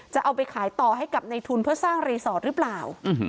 จะเอาไปขายต่อให้กับในทุนเพื่อสร้างรีสอร์ทหรือเปล่า